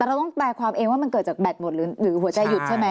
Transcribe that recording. เราต้องแปลความเองว่ามันเกิดจากแบตหมดหรือหัวใจหยุดใช่ไหม